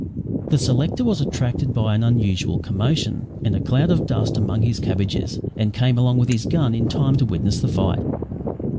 The selector was attracted by an unusual commotion and a cloud of dust among his cabbages, and came along with his gun in time to witness the fight.